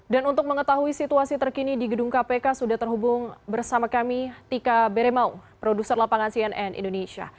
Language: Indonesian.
untuk mengetahui situasi terkini di gedung kpk sudah terhubung bersama kami tika beremau produser lapangan cnn indonesia